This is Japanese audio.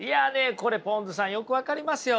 これぽんづさんよく分かりますよ。